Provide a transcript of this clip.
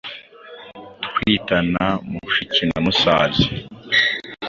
twitana mushiki na musaza